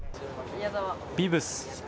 ビブス。